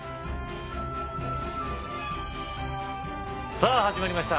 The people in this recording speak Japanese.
さあ始まりました。